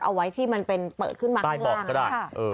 เอาไว้ที่มันเปิดขึ้นมาข้างล่างได้บอกก็ได้